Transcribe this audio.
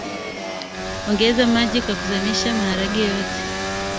ongeza maji kwa kuzamisha maharage yote